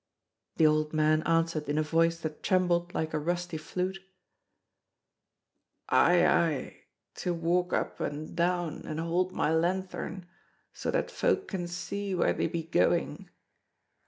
The old man answered in a voice that trembled like a rusty flute: "Aye, aye!—to walk up and down and hold my lanthorn so that folk can see where they be going."